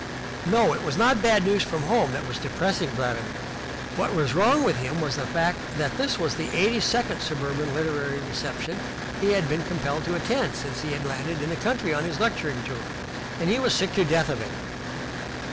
It was not bad news from home that was depressing Vladimir. What was wrong with him was the fact that this was the eighty second suburban literary reception he had been compelled to attend since he had landed in the country on his lecturing tour, and he was sick to death of it.